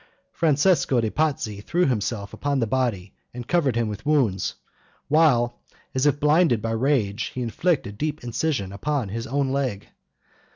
Francesco de' Pazzi threw himself upon the body and covered him with wounds; while, as if blinded by rage, he inflicted a deep incision upon his own leg.